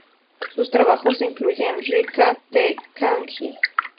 Sus trabajos incluyen "Rica 'tte Kanji!?